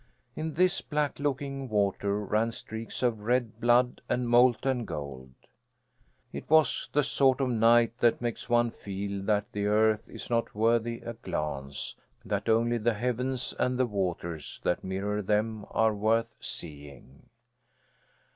In this black looking water ran streaks of red blood and molten gold. It was the sort of night that makes one feel that the earth is not worthy a glance; that only the heavens and the waters that mirror them are worth seeing.